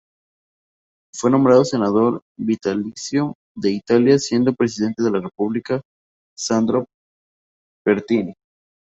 Fue nombrado senador vitalicio de Italia siendo Presidente de la República Sandro Pertini.